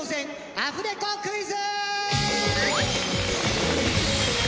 アフレコクイズ。